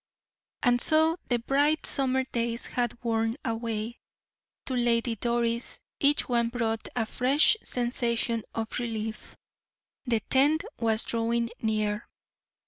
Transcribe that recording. And so the bright summer days had worn away. To Lady Doris each one brought a fresh sensation of relief. The tenth was drawing near.